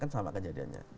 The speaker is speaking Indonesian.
kan sama kejadiannya